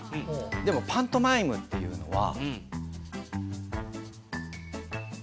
でもパントマイムっていうのは。